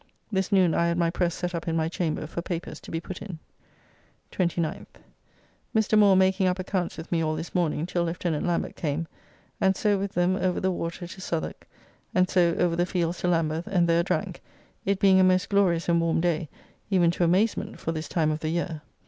This noon I had my press set up in my chamber for papers to be put in. 29th. Mr. Moore making up accounts with me all this morning till Lieut. Lambert came, and so with them over the water to Southwark, and so over the fields to Lambeth, and there drank, it being a most glorious and warm day, even to amazement, for this time of the year.